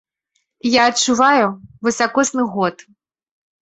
Я адчуваю высакосны год.